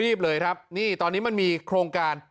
เลยครับนี่ตอนนี้มันมีโครงการ